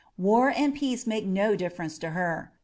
War and peace make no difi^erence to her.